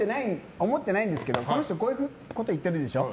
思ってないけどこの人こういうこと言うでしょ？